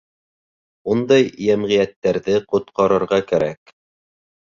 Ундай йәмғиәттәрҙе ҡотҡарырға кәрәк.